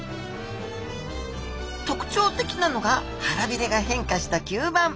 特徴的なのが腹鰭が変化した吸盤。